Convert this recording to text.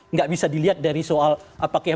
nggak bisa dilihat dari soal apakah